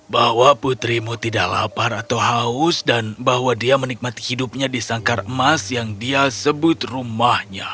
bahwa putrimu tidak lapar atau haus dan bahwa dia menikmati hidupnya di sangkar emas yang dia sebut rumahnya